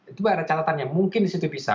itu baru ada catatannya mungkin di situ bisa